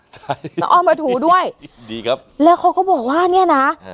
ใช่แล้วเอามาถูด้วยดีครับแล้วเขาก็บอกว่าเนี่ยนะ